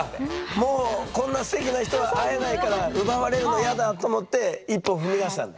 もうこんなステキな人は会えないから奪われるのイヤだと思って一歩踏み出したんだ！